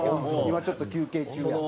今ちょっと休憩中や。